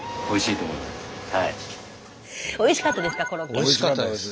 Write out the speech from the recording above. おいしかったです。